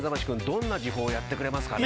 どんな時報やってくれますかね。